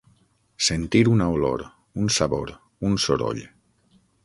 Sentir una olor, un sabor, un soroll.